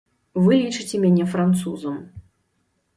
Вы лічыце мяне французам.